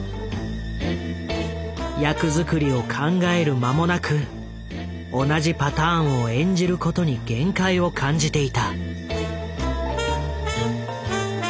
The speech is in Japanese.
役づくりを考える間もなく同じパターンを演じることに限界を感じていた。